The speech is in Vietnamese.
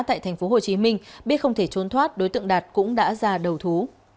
tại tp hcm biết không thể trốn thoát đối tượng đạt cũng đã ra đầu thú